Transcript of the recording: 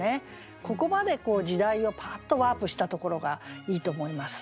ここまで時代をパーッとワープしたところがいいと思います。